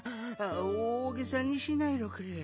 おおげさにしないろくれ。